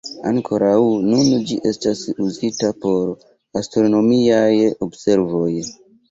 Ankoraŭ nun ĝi estas uzita por astronomiaj observoj.